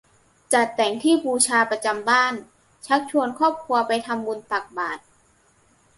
จัดแต่งที่บูชาประจำบ้าน ชักชวนครอบครัวไปทำบุญตักบาตร